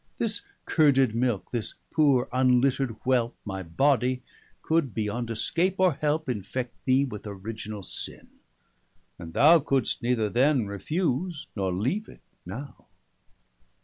This curded milke, this poore unlittered whelpe 165 My body, could, beyond escape or helpe, Infect thee with Originall sinne, and thou Couldst neither then refuse, nor leave it now.